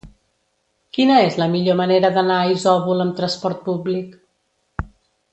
Quina és la millor manera d'anar a Isòvol amb trasport públic?